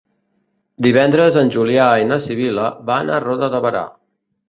Divendres en Julià i na Sibil·la van a Roda de Berà.